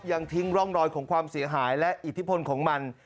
ยังทิ้งร่องรอยของความเสียหายและอิทธิพลของมัน